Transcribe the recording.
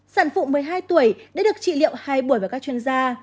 sản phụ một mươi hai tuổi đã được trị liệu hai buổi vào các chuyên gia